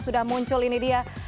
sudah muncul ini dia